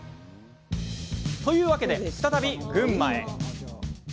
というわけで再び群馬へ。